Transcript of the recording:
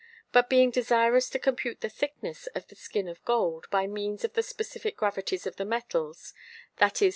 But being desirous to compute the thickness of the Skin of Gold, by means of the specifick Gravities of the Metals, viz.